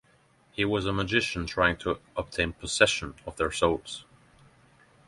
He was a magician trying to obtain possession of their souls.